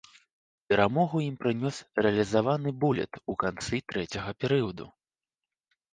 Перамогу ім прынёс рэалізаваны буліт у канцы трэцяга перыяду.